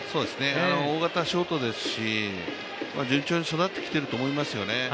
大型ショートですし順調に育ってきていると思いますね。